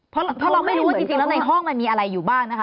เพราะเราไม่รู้ว่าจริงแล้วในห้องมันมีอะไรอยู่บ้างนะคะ